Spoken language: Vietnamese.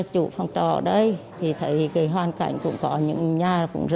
chủ phòng trò ở đây thì thấy cái hoàn cảnh cũng có những nhà